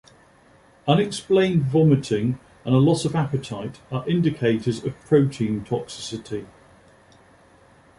Unexplained vomiting and a loss of appetite are indicators of protein toxicity.